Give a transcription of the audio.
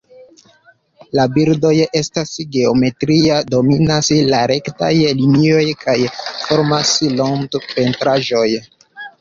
La bildoj estas geometriaj, dominas la rektaj linioj kaj formas rond-pentraĵon.